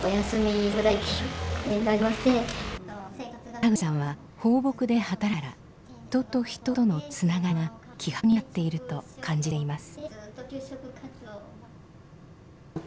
田口さんは「抱樸」で働きながら人と人とのつながりが年々希薄になっていると感じています。